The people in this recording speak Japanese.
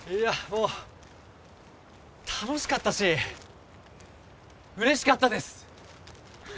もう楽しかったし嬉しかったです